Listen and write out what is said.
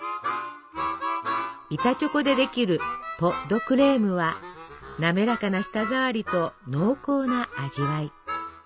板チョコでできるポ・ド・クレームは滑らかな舌ざわりと濃厚な味わい。